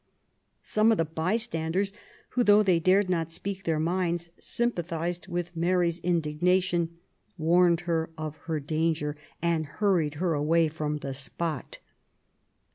Some of the bystanders, who^ though they dared not speak their minds^ sympathized with Mary^s indignation^ warned her of her danger and hurried her away from the spot.